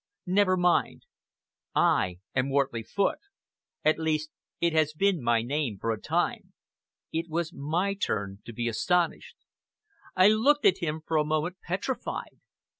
Never mind. I am Wortley Foote. At least it has been my name for a time." It was my turn to be astonished. I looked at him for a moment petrified.